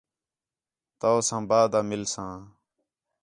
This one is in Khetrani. تَونساں بعد آ مِلساں